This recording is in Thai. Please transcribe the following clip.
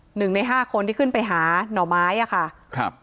หนึ่งในห้าคนที่ขึ้นไปหาหน่อไม้ค่ะ